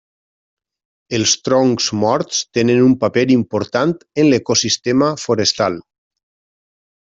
Els troncs morts tenen un paper important en l'ecosistema forestal.